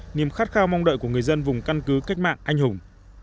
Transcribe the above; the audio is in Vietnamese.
niềm khát khao mong đợi của người dân vùng căn cứ cách mạng anh hùng